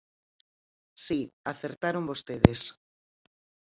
Si, acertaron vostedes.